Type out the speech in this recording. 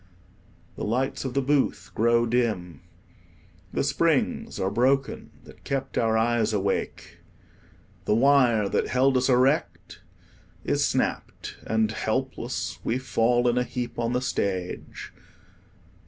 The lights of the booth grow dim. The springs are broken that kept our eyes awake. The wire that held us erect is snapped, and helpless we fall in a heap on the stage.